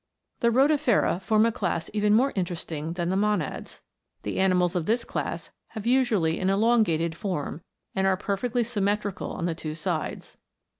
The Rotifer a form a class even more interesting than the monads. The animals of this class have usually an elongated form, and are perfectly sym metrical on the two sides.